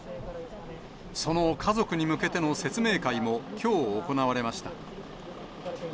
その家族に向けての説明会も、きょう行われました。